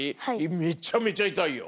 めちゃめちゃ痛いよ。